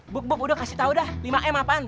buk buk udah kasih tau dah lima m apaan